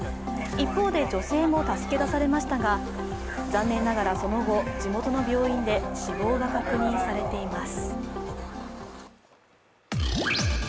一方で女性も助け出されましたが、残念ながらその後、地元の病院で死亡が確認されています。